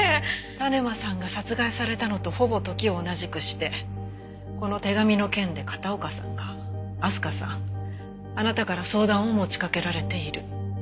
田沼さんが殺害されたのとほぼ時を同じくしてこの手紙の件で片岡さんが明日香さんあなたから相談を持ちかけられている。